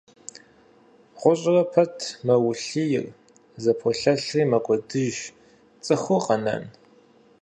ГъущӀрэ пэт мэулъий, зэполъэлъри мэкӀуэдыж, цӀыхур къэнэн?!